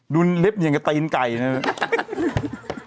ดูเล็บอย่างเงินกับตีนไก่นึง